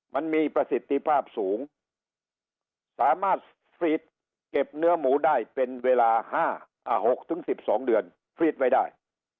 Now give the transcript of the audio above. มันมีประสิทธิภาพสูงสามารถฟรีดเก็บเนื้อหมูได้เป็นเวลา๖๑๒เดือนฟรีดไว้ได้